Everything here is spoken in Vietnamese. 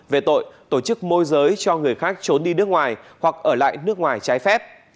về tội tổ chức môi giới cho người khác trốn đi nước ngoài hoặc ở lại nước ngoài trái phép